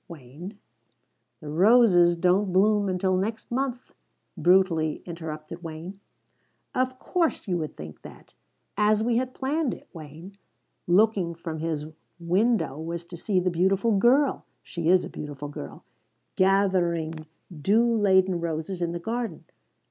Wayne " "The roses don't bloom until next month," brutally interrupted Wayne. "Of course, you would think of that! As we had planned it, Wayne, looking from his window was to see the beautiful girl she is a beautiful girl gathering dew laden roses in the garden.